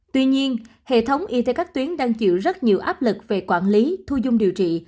tuy nhiên hệ thống y tế các tuyến đang chịu rất nhiều áp lực về quản lý thu dung điều trị